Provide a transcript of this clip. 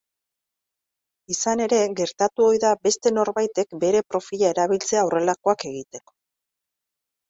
Izan ere, gertatu ohi da beste norbaitek bere profila erabiltzea horrelakoak egiteko.